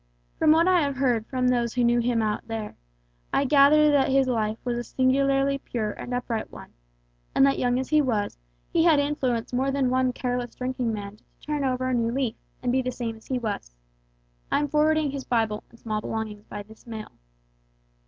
From what I have heard from those who knew him out here, I gather that his life was a singularly pure and upright one, and that young as he was he had influenced more than one careless drinking man to turn over a new leaf, and be the same as he was. I am forwarding his Bible and small belongings by this mail.